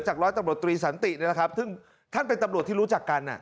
จากร้อยตำรวจตรีสันตินี่แหละครับซึ่งท่านเป็นตำรวจที่รู้จักกันน่ะ